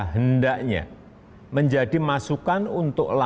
hendaknya menjadi masukan untuk lalu